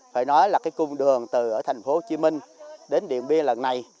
phải nói là cái cung đường từ ở thành phố hồ chí minh đến điện biên lần này